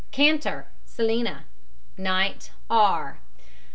KANTAR, SELNA. KNIGHT, R.